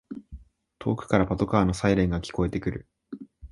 遠くからパトカーのサイレンが聞こえてくる